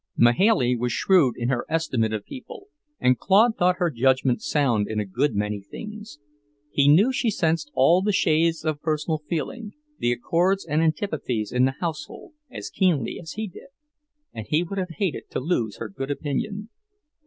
Mahailey was shrewd in her estimate of people, and Claude thought her judgment sound in a good many things. He knew she sensed all the shades of personal feeling, the accords and antipathies in the household, as keenly as he did, and he would have hated to lose her good opinion.